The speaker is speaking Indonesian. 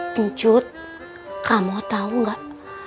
pencut kamu tau gak